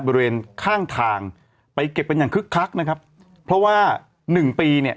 บริเวณข้างทางไปเก็บกันอย่างคึกคักนะครับเพราะว่าหนึ่งปีเนี่ย